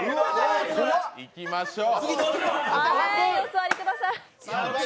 いきましょう。